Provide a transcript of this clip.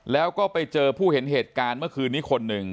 แล้วก็ไปเจอผู้เห็นเหตุการณ์เมื่อคืนนี้คนหนึ่ง